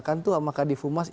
kita lagi mata bukit